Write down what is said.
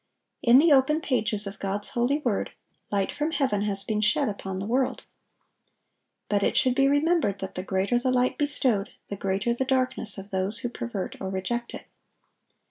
In the open pages of God's holy word, light from heaven has been shed upon the world. But it should be remembered that the greater the light bestowed, the greater the darkness of those who pervert or reject it.